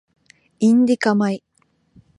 インディカ米